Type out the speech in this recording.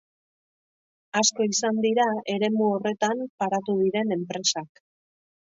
Asko izan dira eremu horretan paratu diren enpresak.